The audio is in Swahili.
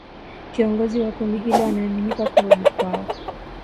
Kiongozi wa kundi hilo anaaminika kurudi kwao